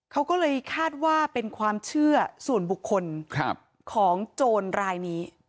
เขาก็เลยคาดว่าเป็นความเชื่อส่วนบุคคลของโจรรายนี้